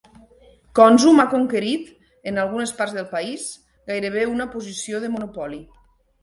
Konzum ha conquerit, en algunes parts del país, gairebé una posició de monopoli.